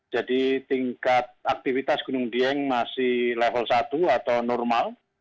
jadi tingkat aktivitas gunung dieng masih level satu atau normal